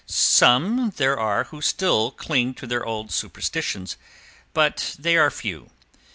Some there are who still cling to their old superstitions, but they are few.